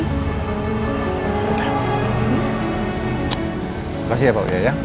terima kasih ya pak